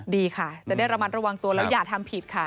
ดีค่ะจะได้ระมัดระวังตัวแล้วอย่าทำผิดค่ะ